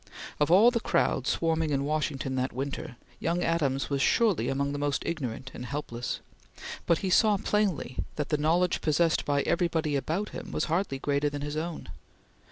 Of all the crowd swarming in Washington that winter, young Adams was surely among the most ignorant and helpless, but he saw plainly that the knowledge possessed by everybody about him was hardly greater than his own.